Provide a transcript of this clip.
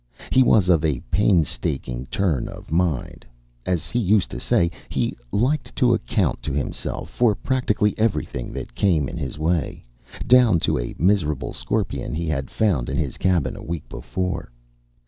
He was of a painstaking turn of mind. As he used to say, he "liked to account to himself" for practically everything that came in his way, down to a miserable scorpion he had found in his cabin a week before.